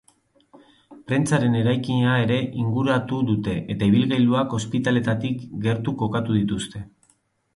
Prentsaren eraikina ere inguratu dute eta ibilgailuak ospitaletatik gertu kokatu dituzte.